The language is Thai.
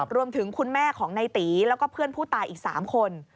รวมถึงคุณแม่ของนายตีแล้วก็เพื่อนผู้ตายอีก๓คน